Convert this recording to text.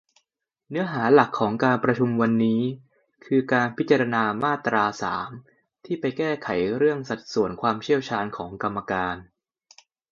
เนื้อหาหลักของการประชุมวันนี้ คือการพิจารณามาตรา สาม ที่ไปแก้ไขเรื่อง สัดส่วนความเชี่ยวชาญของกรรมการ